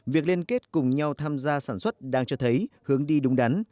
việc liên kết cùng nhau tham gia sản xuất đang cho thấy hướng đi đúng đắn